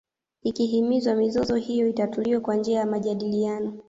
Akihimiza mizozo hiyo itatuliwe kwa njia ya majadiliano